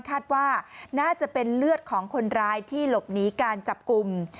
คาดว่าน่าจะเป็นเลือดของคนร้ายที่หลบหนีการจับกลุ่ม